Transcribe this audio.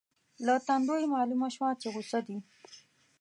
له تندو یې مالومه شوه چې غصه دي.